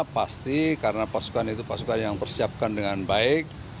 pasti karena pasukan itu pasukan yang persiapkan dengan baik